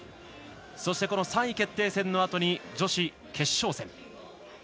そして、この３位決定戦のあとに女子決勝戦。